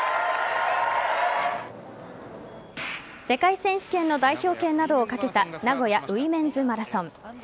世界選手権の代表権などをかけた名古屋ウィメンズマラソン。